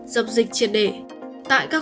dập dịch triệt để tại các